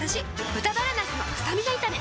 「豚バラなすのスタミナ炒め」